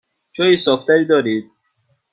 جای صاف تری دارید؟